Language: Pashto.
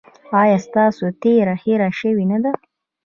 ایا ستاسو تیره هیره شوې نه ده؟